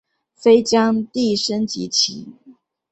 飞将的升级棋。